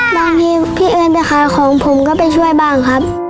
บางทีพี่เอิญไปขายของผมก็ไปช่วยบ้างครับ